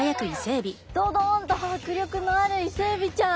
どどんと迫力のあるイセエビちゃん。